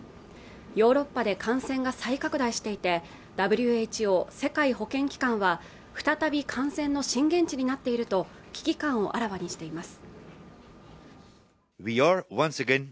ヨーロッパで感染が再拡大していてＷＨＯ＝世界保健機関は再び感染の震源地になっていると危機感をあらわにしています